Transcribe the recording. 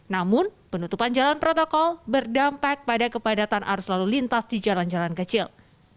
namun penutupan jalan protokol berdampak pada kepadatan arus lalu lintas di jalan jalan kecil